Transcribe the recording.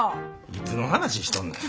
いつの話しとんねん。